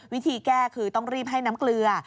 วิธีแก้คือต้องรีบให้น้ำเกลือ